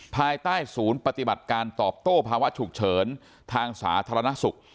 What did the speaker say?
ภายใต้ศูนย์ปฏิบัติการตอบโต้ภาวะฉุกเฉินทางสาธารณสุข